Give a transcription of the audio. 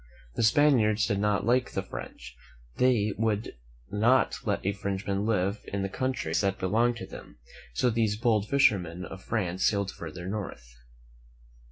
The Spaniards did not like the French, and they would not let a Frenchman live in the countries that belonged to them; so these bold fishermen of France sailed further north.